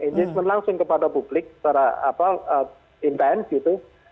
ingeniasi langsung kepada publik secara apa in band gitu